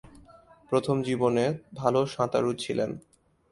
প্রথম জীবনে ভালো সাঁতারু ছিলেন।